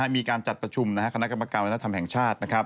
มีการจัดประชุมคณะกรรมการวัฒนธรรมแห่งชาติ